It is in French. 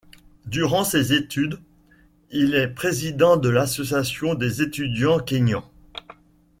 Durant ses études il est président de l'Association des étudiants kényans.